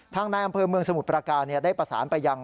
ทางนายอำเภอเมืองสมุทรประการได้ประสานไปยัง